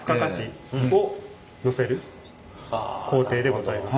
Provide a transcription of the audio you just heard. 工程でございます。